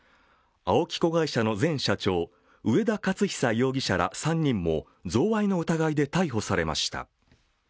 ＡＯＫＩ子会社の前社長上田雄久容疑者ら３人も贈賄の疑いで逮捕されました。